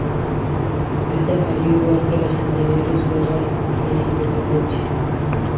Esta falló igual que las anteriores guerras de independencia.